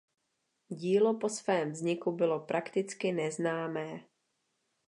Dílo po svém vzniku bylo prakticky neznámé.